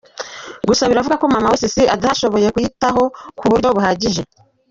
Gusa biravugwa ko mama we, Cissy adashoboye kuyitaho ku buryo buhagije.